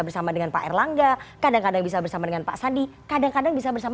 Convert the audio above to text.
bersama dengan pak er langga kadang kadang bisa bersama dengan pecah di kadang kadang bisa bersama